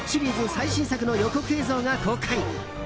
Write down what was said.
最新作の予告映像が公開。